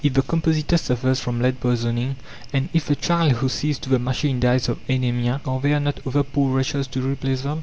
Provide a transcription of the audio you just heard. If the compositor suffers from lead poisoning, and if the child who sees to the machine dies of anæmia, are there not other poor wretches to replace them?